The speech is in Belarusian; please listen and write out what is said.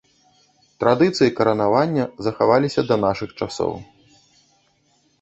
Традыцыі каранавання захаваліся да нашых часоў.